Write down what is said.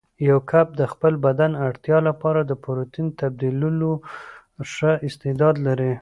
یو کب د خپل بدن اړتیا لپاره د پروتین تبدیلولو ښه استعداد لري.